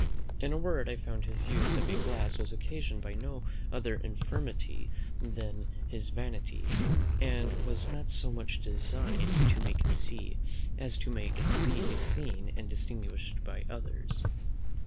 In a word, I found his use of a glass was occasioned by no other infirmity than his vanity, and was not so much designed to make him see, as to make him be seen and distinguished by others.